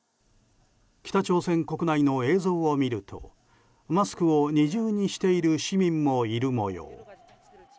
北朝鮮国内の映像を見るとマスクを二重にしている市民もいる模様。